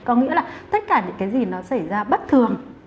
có nghĩa là tất cả những cái gì nó xảy ra bất thường